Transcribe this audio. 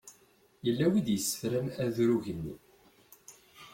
Yella wi d-yessefran adrug-nni?